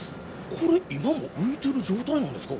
これ今も浮いてる状態なんですか？